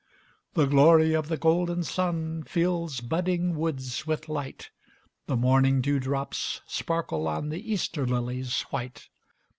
The glory of the golden sun Fills budding woods with light, The morning dewdrops sparkle on The Easter lilies white.